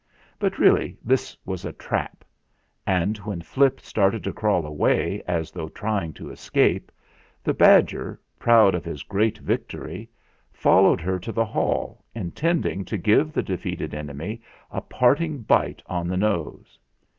But really this was a trap ; and when Flip started to crawl away, as 310 THE FLINT HEART though trying to escape, the badger, proud of his great victory, followed her to the hall, intending to give the defeated enemy a parting bite on the nose.